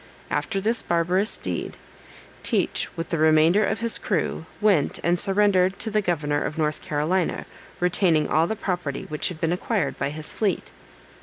After this barbarous deed. Teach, with the remainder of his crew, went and surrendered to the governor of North Carolina, retaining all the property which had been acquired by his fleet.